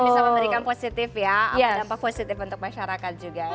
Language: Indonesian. bisa memberikan positif ya apa dampak positif untuk masyarakat juga